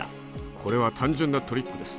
これは単純なトリックです。